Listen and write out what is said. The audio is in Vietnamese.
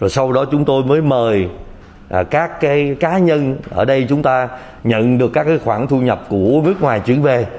sau đó chúng tôi mới mời các cá nhân ở đây chúng ta nhận được các khoản thu nhập của nước ngoài chuyển về